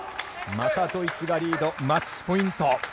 またドイツがリードマッチポイント。